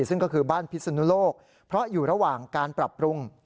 ซึ่งก็คือบ้านพิศนุโลกเพราะอยู่ระหว่างการปรับปรุง